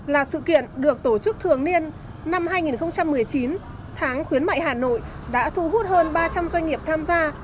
là sự kiện được tổ chức thường niên năm hai nghìn một mươi chín tháng khuyến mại hà nội đã thu hút hơn ba trăm linh doanh nghiệp tham gia